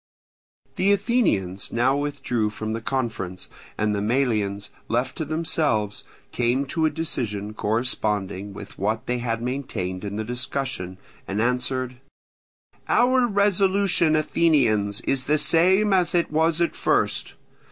The Athenians now withdrew from the conference; and the Melians, left to themselves, came to a decision corresponding with what they had maintained in the discussion, and answered: "Our resolution, Athenians, is the same as it was at first.